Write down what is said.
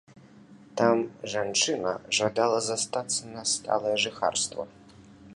Там жанчына жадала застацца на сталае жыхарства.